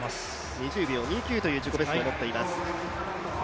２０秒２９という自己ベストを持っています。